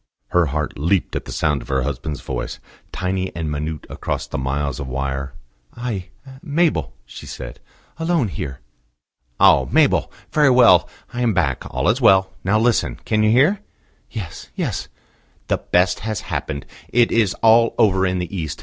Her heart leaped at the sound of her husband's voice, tiny and minute across the miles of wire. "I Mabel," she said. "Alone here." "Oh! Mabel. Very well. I am back: all is well. Now listen. Can you hear?" "Yes, yes." "The best has happened. It is all over in the East.